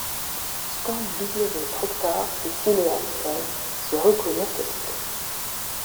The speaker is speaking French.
Stamp W. Proctor et Phileas Fogg se reconnurent aussitôt.